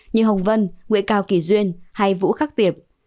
như hồng vân nguyễn cao kỳ duyên hay vũ khắc tiệp